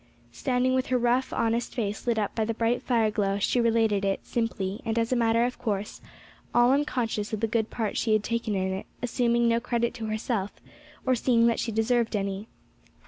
Standing with her rough honest face lit up by the bright fire glow she related it, simply, and as a matter of course, all unconscious of the good part she had taken in it, assuming no credit to herself, or seeing that she deserved any.